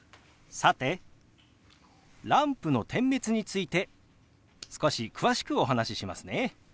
さてランプの点滅について少し詳しくお話ししますね。